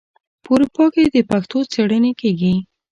په اروپا کې د پښتو څیړنې کیږي.